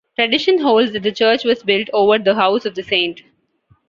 Tradition holds that the church was built over the house of the saint.